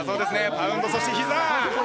パウンド、そしてひざ！